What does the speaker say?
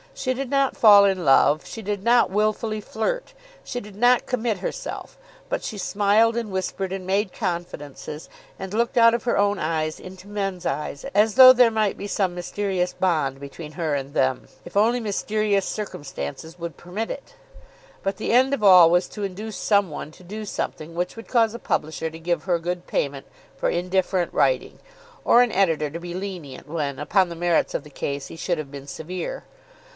She did not fall in love, she did not wilfully flirt, she did not commit herself; but she smiled and whispered, and made confidences, and looked out of her own eyes into men's eyes as though there might be some mysterious bond between her and them if only mysterious circumstances would permit it. But the end of all was to induce some one to do something which would cause a publisher to give her good payment for indifferent writing, or an editor to be lenient when, upon the merits of the case, he should have been severe.